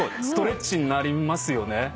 ストレッチになりますよね